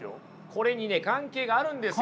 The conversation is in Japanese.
これにね関係があるんですよ！